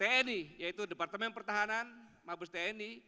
tni yaitu departemen pertahanan mabes tni